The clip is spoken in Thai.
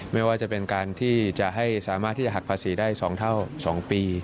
ไม่ว่าจะเป็นการที่จะให้สามารถที่จะหักภาษีได้๒เท่า๒ปี